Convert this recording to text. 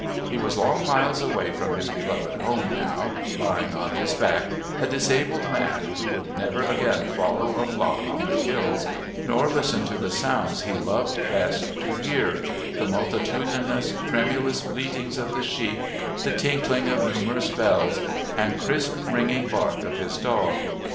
He was long miles away from his beloved home now, lying on his back, a disabled man who would never again follow a flock on the hills nor listen to the sounds he loved best to hear the multitudinous tremulous bleatings of the sheep, the tinklings of numerous bells, and crisp ringing bark of his dog.